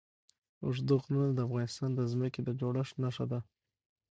اوږده غرونه د افغانستان د ځمکې د جوړښت نښه ده.